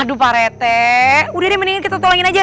aduh parete udah deh mendingan kita tolengin aja